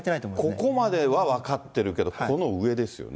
ここまでは分かってるけど、この上ですよね。